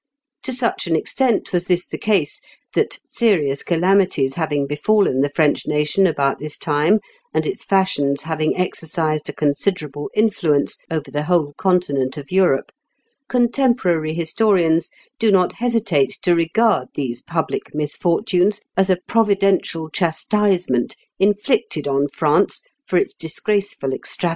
To such an extent was this the case, that serious calamities having befallen the French nation about this time, and its fashions having exercised a considerable influence over the whole continent of Europe, contemporary historians do not hesitate to regard these public misfortunes as a providential chastisement inflicted on France for its disgraceful extravagance in dress.